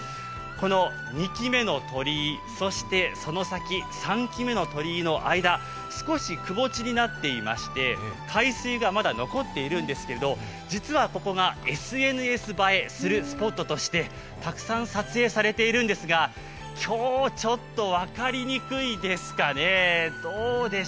２基目の鳥居、そして３基目の鳥居の間、少しくぼ地になっていまして、海水がまだ残っているんですけれども、実はここがＳＮＳ映えするスポットとしてたくさん撮影されているんですが今日、分かりにくいですかね。